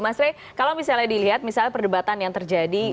mas rey kalau misalnya dilihat misalnya perdebatan yang terjadi